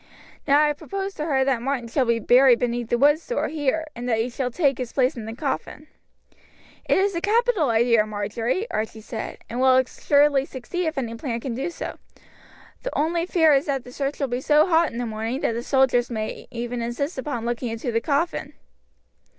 Now I have proposed to her that Martin shall be buried beneath the wood store here, and that you shall take his place in the coffin." "It is a capital idea, Marjory," Archie said, "and will assuredly succeed if any plan can do so. The only fear is that the search will be so hot in the morning that the soldiers may even insist upon looking into the coffin."